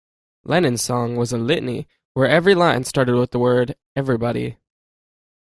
Lennon's song was a litany where every line started with the word "everybody".